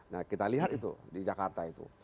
nah kita lihat itu di jakarta itu